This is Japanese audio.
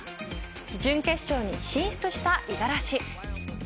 準決勝に進出した五十嵐。